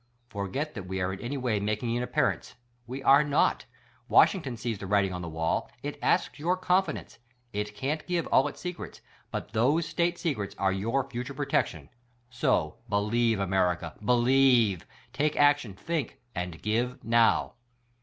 Forget that we are in any waj' making an appearance; we are not. Wash ington sees the writing on the wall; k asks your confidence; it can't give all its secrets ; bwt those State secrets are your future protection. So, believe America, believe ; take action ; think — and give, now